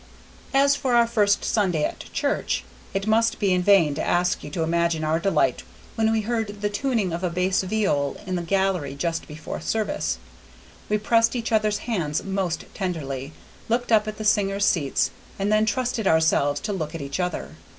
As for our first Sunday at church, it must be in vain to ask you to imagine our delight when we heard the tuning of a bass viol in the gallery just before service. We pressed each other's hands most tenderly, looked up at the singers' seats, and then trusted ourselves to look at each other.